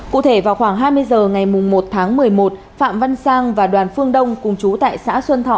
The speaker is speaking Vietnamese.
cụ thể vào khoảng hai mươi h ngày một tháng một mươi một phạm văn sang và đoàn phương đông cùng chú tại xã xuân thọ